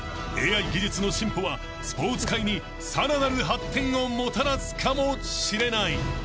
［ＡＩ技術の進歩はスポーツ界にさらなる発展をもたらすかもしれない］